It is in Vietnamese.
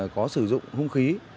có sử dụng hung khí